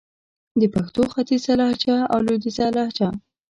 د پښتو ختیځه لهجه او لويديځه لهجه